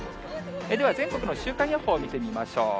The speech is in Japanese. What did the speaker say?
では全国の週間予報を見てみましょう。